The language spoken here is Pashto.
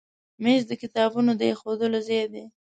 مېز د کتابونو د ایښودو ځای دی.